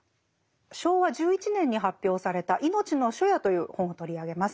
昭和１１年に発表された「いのちの初夜」という本を取り上げます。